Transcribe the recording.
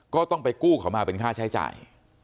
ก็ต้องไปกู้เขามาเป็นค่าใช้จ่าย